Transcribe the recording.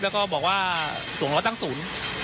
แล้วก็บอกว่าถวงล้อตั้งศูนย์